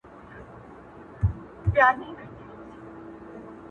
نو الله ج نن درتـــــه پـــــه لـــــــــپـــو ژاړم,